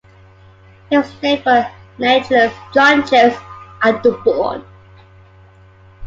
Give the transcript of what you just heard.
It was named for naturalist John James Audubon.